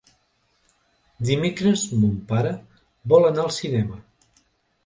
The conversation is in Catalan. Dimecres mon pare vol anar al cinema.